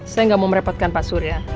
saya nggak mau merepotkan pak surya